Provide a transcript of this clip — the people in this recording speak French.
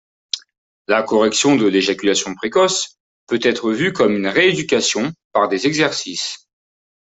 La correction de l’éjaculation précoce peut être vue comme une rééducation par des exercices.